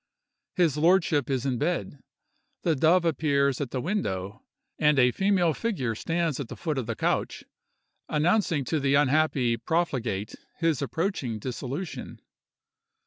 His lordship is in bed; the dove appears at the window; and a female figure stands at the foot of the couch, announcing to the unhappy profligate his approaching dissolution.